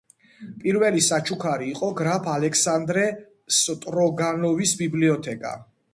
პირველი საჩუქარი იყო გრაფ ალექსანდრე სტროგანოვის ბიბლიოთეკა.